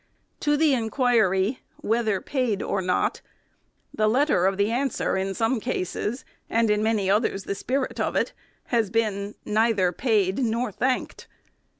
To the inquiry, Whether paid or not ? the letter of the answer in some cases, and, in many others, the spirit of it, has been, " Neither paid nor thanked."